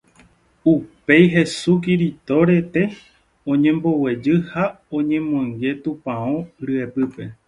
Upéi Hesu Kirito rete oñemboguejy ha oñemoinge tupão ryepýpe